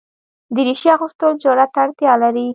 دریشي اغوستل جرئت ته اړتیا لري.